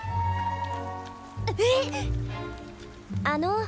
あの。